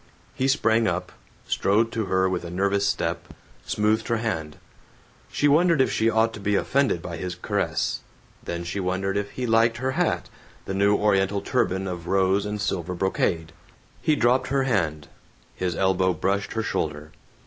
He sprang up, strode to her with a nervous step, smoothed her hand. She wondered if she ought to be offended by his caress. Then she wondered if he liked her hat, the new Oriental turban of rose and silver brocade. He dropped her hand. His elbow brushed her shoulder.